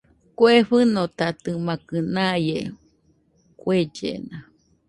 Kuena fɨnotatɨmakɨ naie kuellena